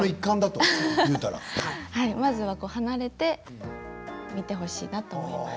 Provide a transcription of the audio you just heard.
まずは離れて見てほしいなと思います。